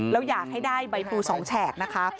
แล้วอยากให้ได้ใบพลู๒แฉกนะคะ